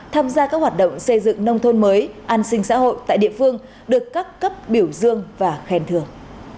tham gia các hoạt động xây dựng nông thôn mới an sinh xã hội tại địa phương được các cấp biểu dương và khen thường